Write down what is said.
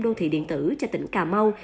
đô thị điện tử cho tỉnh cà mau